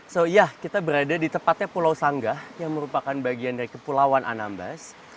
so ya kita berada di tempatnya pulau sanggah yang merupakan bagian dari kepulauan anambas